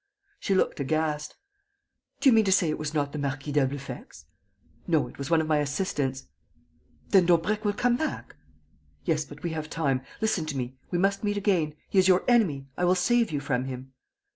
She looked aghast: "Do you mean to say it was not the Marquis d'Albufex?" "No, it was one of my assistants." "Then Daubrecq will come back?..." "Yes, but we have time.... Listen to me.... We must meet again.... He is your enemy.... I will save you from him...."